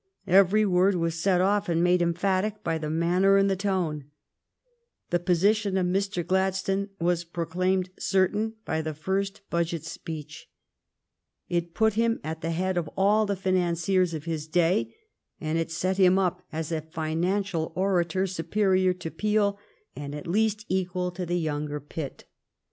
Every word was set off and made emphatic by the manner and the tone. The position of Mr. Gladstone was proclaimed certain by the first budget speech. It put him at the head of all the financiers of his day, and it set him up as a financial orator superior to Peel and at least equal to the younger Pitt.